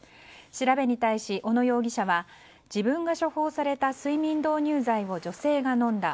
調べに対し、小野容疑者は自分が処方された睡眠導入剤を女性が飲んだ。